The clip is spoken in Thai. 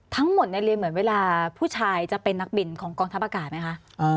ทั้งหมดเรียนเหมือนเวลาผู้ชายจะเป็นนักบินของกองทัพอากาศไหมคะ